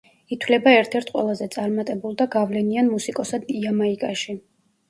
ითვლება ერთ-ერთ ყველაზე წარმატებულ და გავლენიან მუსიკოსად იამაიკაში.